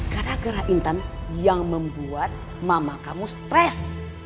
gara gara intan yang membuat mama kamu stres